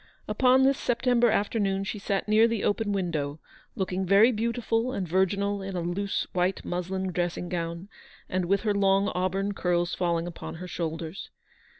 Upon this September afternoon she sat near the open window, looking very beautiful and virginal in a loose white muslin dressing gown, and with her long auburn curls falling upon her shoulders.